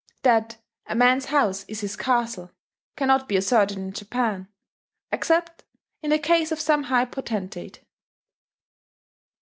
That "a man's house is his castle" cannot be asserted in Japan except in the case of some high potentate.